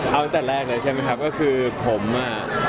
เอาตั้งแต่แรกเลยใช่มั้ยครับผมอะ